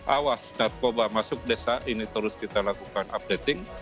awas narkoba masuk desa ini terus kita lakukan updating